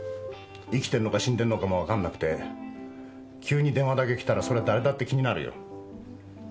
生きてんのか死んでんのかも分かんなくて急に電話だけきたらそりゃ誰だって気になるよ。